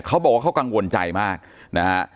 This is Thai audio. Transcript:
เขาบอกว่าเขากังวลใจมากนะฮะ